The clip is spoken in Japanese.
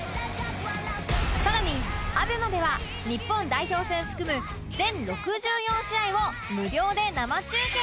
更にアベマでは日本代表戦含む全６４試合を無料で生中継